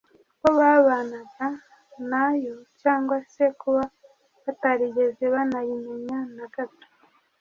uko babanaga nayo cyangwa se kuba batarigeze banayimenya na gato